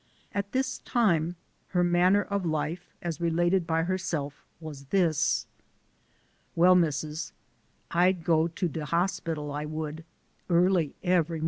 At this time her manner of life, as related by herself, was this :" Well, Missus, I'd go to de hospital, I would, early eb'ry mornin'.